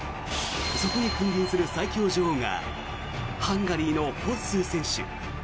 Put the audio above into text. そこに君臨する最強女王がハンガリーのホッスー選手。